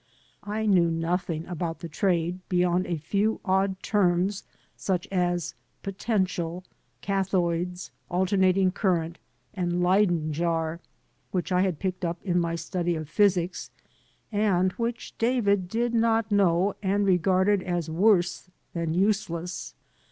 I knew nothing about the trade beyond a few odd terms, such as "potential," "cathoids," "alternating current," and "Leyden jar," which I had picked up in my study of physics, and which David did not know and regarded as worse than useless.